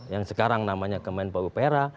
yang sekarang namanya kemen paupera